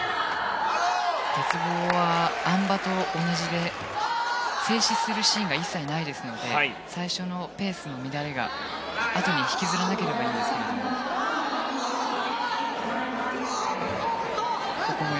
鉄棒はあん馬と同じで静止するシーンが一切ないですので最初のペースの乱れをあとに引きずらなければいいんですけども。